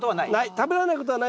食べられないことはない？